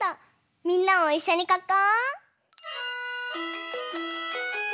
みんなもいっしょにかこう！